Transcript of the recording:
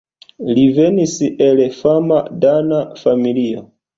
Li venis el fama dana familio.